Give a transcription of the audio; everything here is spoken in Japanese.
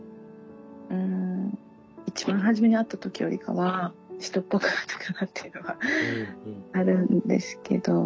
うん一番初めに会った時よりかは人っぽくなったかなっていうのはあるんですけど。